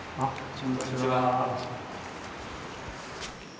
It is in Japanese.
こんにちは。